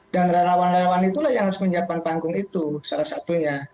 dan relawan relawan itulah yang harus menyiapkan panggung itu salah satunya